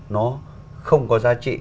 nó không có giá trị